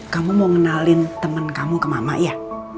kamu mau kenalin temen kamu ke mama ya